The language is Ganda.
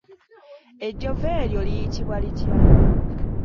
Ejjovu eryo liyitibwa litya?